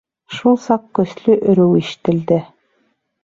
Шул саҡ көслө өрөү ишетелде.